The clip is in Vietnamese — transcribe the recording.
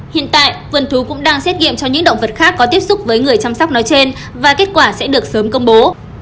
hiện tại vườn thú cũng đang xét nghiệm cho những động vật khác có tiếp xúc với người chăm sóc nói trên và kết quả sẽ được sớm công bố